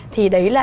thì đấy là